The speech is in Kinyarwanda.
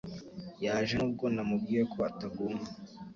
Yaje nubwo namubwiye ko atagomba